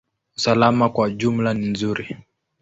Usalama kwa ujumla ni nzuri.